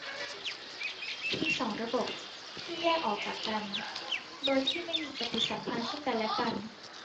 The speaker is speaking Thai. มีสองระบบ ที่แยกออกจากกัน โดยที่ไม่มีปฏิสัมพันธ์ซึ่งกันและกัน